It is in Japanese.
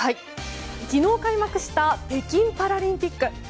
昨日、開幕した北京パラリンピック。